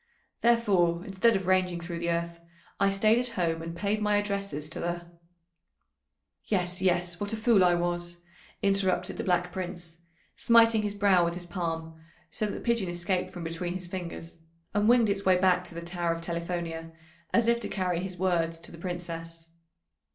Therefore, instead of ranging through the earth, I stayed at home and paid my addresses to the " "Yes, yes, what a fool I was!" interrupted the Black Prince, smiting his brow with his palm, so that the pigeon escaped from between his fingers, and winged its way back to the Tower of Telifonia as if to carry his words to the Princess.